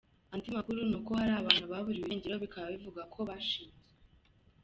Andi makuru ni uko hari abantu baburiwe irengero, bikaba bivugwa ko bashimuswe.